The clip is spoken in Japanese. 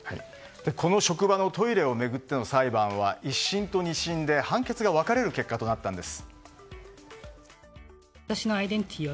この職場のトイレを巡っての裁判は１審と２審で判決が分かれる結果となったんです。